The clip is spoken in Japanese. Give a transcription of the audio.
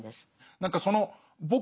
何かその「僕は」